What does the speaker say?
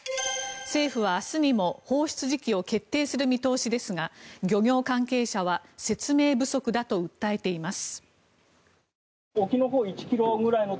政府は明日にも放出時期を決定する見通しですが漁業関係者は説明不足だと訴えています。